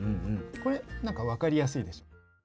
これなんか分かりやすいでしょ。